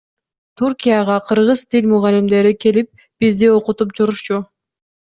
Түркияга кыргыз тил мугалимдери келип бизди окутуп турушчу.